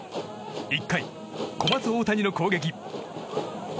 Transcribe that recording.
１回、小松大谷の攻撃。